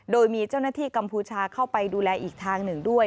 โดยมีเจ้าหน้าที่กัมพูชาเข้าไปดูแลอีกทางหนึ่งด้วย